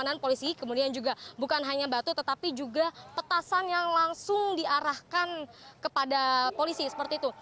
dan kemudian juga petasan yang langsung diarahkan kepada polisi seperti itu